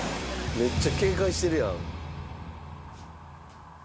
めっちゃ警戒してるやん。